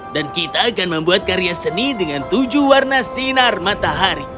dan kita akan membuat karya seni dengan tujuh warna sinar matahari